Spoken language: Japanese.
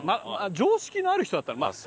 常識のある人だったの。